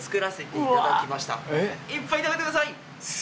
いっぱい食べてください！